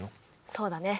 そうだね。